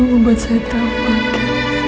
membuat saya terlalu bangga